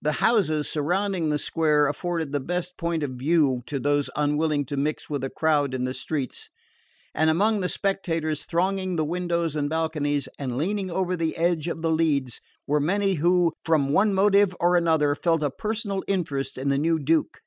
The houses surrounding the square afforded the best point of view to those unwilling to mix with the crowd in the streets; and among the spectators thronging the windows and balconies, and leaning over the edge of the leads, were many who, from one motive or another, felt a personal interest in the new Duke.